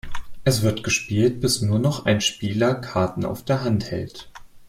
Es wird gespielt, bis nur noch ein Spieler Karten auf der Hand hält.